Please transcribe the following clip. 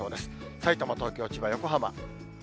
さいたま、東京、千葉、横浜。